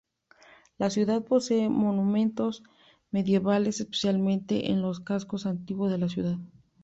La ciudad posee monumentos medievales, especialmente en el casco antiguo de la ciudad.